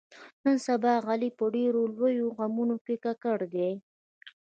نن سبا علي په ډېرو لویو غمونو ککړ دی.